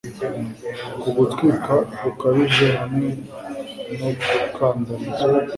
Uku gutwika gukabije hamwe no gukandamizwa